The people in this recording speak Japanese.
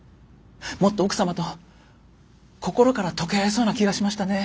もっと奥様と心からとけ合えそうな気がしましたね。